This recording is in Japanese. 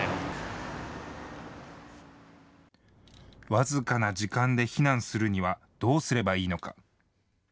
僅かな時間で避難するにはどうすればいいのか。